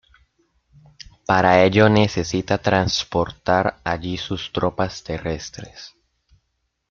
Para ello necesita transportar allí sus tropas terrestres.